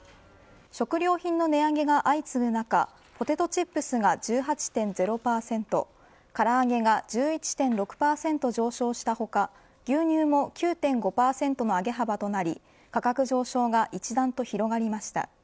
食料品の値上げが相次ぐ中ポテトチップスが１８．０％からあげが１１．６％上昇した他牛乳も９．５％の上げ幅となり価格上昇が一段と広がりました。